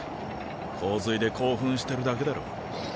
洪水で興奮してるだけだろ。